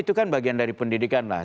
itu kan bagian dari pendidikan lah